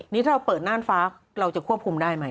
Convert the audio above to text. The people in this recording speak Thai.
นี่ถ้าเราเปิดน่านฟ้าเราจะควบคุมได้ไหม